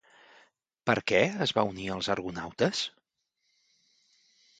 Per què es va unir als argonautes?